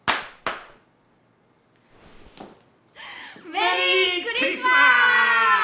メリークリスマス！